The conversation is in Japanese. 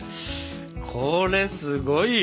これすごいよ。